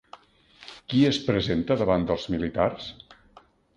Qui es presenta davant dels militars?